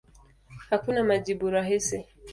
Hakuna majibu rahisi.